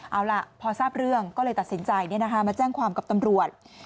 เอาล่ะพอทราบเรื่องก็เลยตัดสินใจมาแจ้งความกับตำรวจ